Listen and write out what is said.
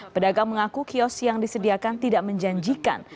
pedagang mengaku kios yang disediakan tidak menjanjikan